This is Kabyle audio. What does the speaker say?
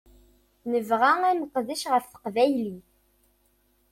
Nebɣa ad neqdec ɣef teqbaylit.